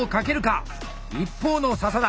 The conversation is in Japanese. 一方の笹田。